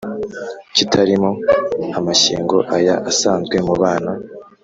Kitarimo amashyengo Aya asanzwe mu bana.